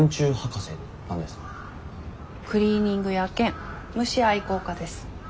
クリーニング屋兼虫愛好家です。